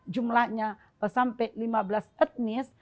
jumlahnya sampai lima belas etnis